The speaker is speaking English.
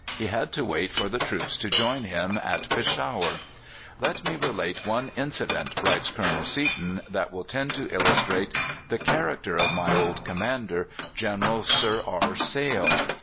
He had to wait for the troops to join him at Peshawar. "Let me relate one incident," writes Colonel Seaton, "that will tend to illustrate the character of my old commander, General Sir R. Sale.